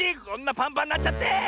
こんなパンパンなっちゃって！